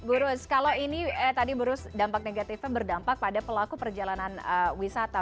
bu rus kalau ini tadi bu rus dampak negatifnya berdampak pada pelaku perjalanan wisata